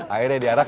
ayo deh diarak